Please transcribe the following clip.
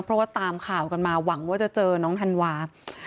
เพราะว่าตามข่าวกันมาหวังว่าจะเจอน้องธันวา